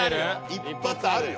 一発あるよ。